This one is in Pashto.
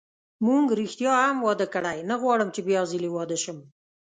موږ ریښتیا هم واده کړی، نه غواړم چې بیا ځلي واده شم.